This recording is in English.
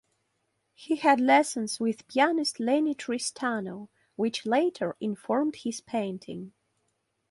He had lessons with pianist Lennie Tristano, which later informed his painting.